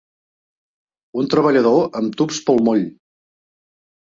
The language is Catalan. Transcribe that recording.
Un treballador amb tubs pel moll.